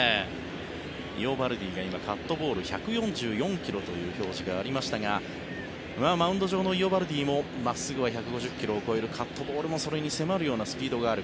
イオバルディが今、カットボール１４４ｋｍという表示がありましたがマウンド上のイオバルディも真っすぐは１４０ｋｍを超えるカットボールもそれに迫るようなスピードがある。